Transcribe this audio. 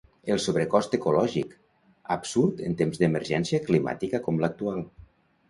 El sobrecost ecològic, absurd en temps d'emergència climàtica com l'actual.